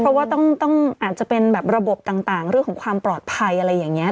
เพราะว่าต้องอาจจะเป็นแบบระบบต่างเรื่องของความปลอดภัยอะไรอย่างนี้